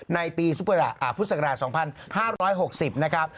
ในปีพุทธศักราช๒๕๖๐นะครับ